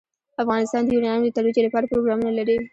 افغانستان د یورانیم د ترویج لپاره پروګرامونه لري.